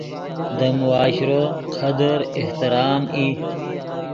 دے معاشرو قدر، احترام ای